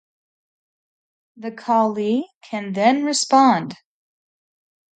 The callee can then respond.